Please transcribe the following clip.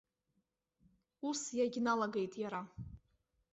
Ус иагьналагеит иара.